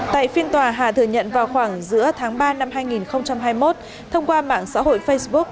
tại phiên tòa hà thừa nhận vào khoảng giữa tháng ba năm hai nghìn hai mươi một thông qua mạng xã hội facebook